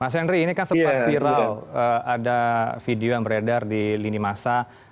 mas henry ini kan sempat viral ada video yang beredar di lini masa